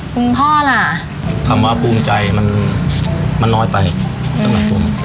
คุณพ่อล่ะคำว่าภูมิใจมันน้อยไปสำหรับผม